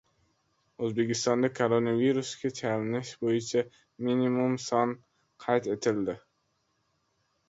O‘zbekistonda koronavirusga chalinish bo‘yicha minimum son qayd etildi